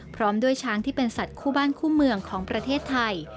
พร้อมด้วยช้างที่เป็นสัตว์คู่บ้านคู่เมืองของประเทศไทย